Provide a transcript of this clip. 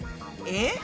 えっ？